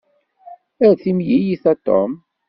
Ar timlilit a Tom.